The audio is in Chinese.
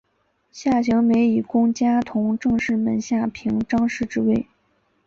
夏行美以功加同政事门下平章事之位。